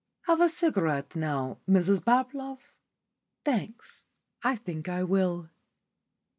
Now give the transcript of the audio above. "Have a cigarette now, Mrs Bablove?" "Thanks. I think I will."